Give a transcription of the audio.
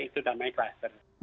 itu namanya cluster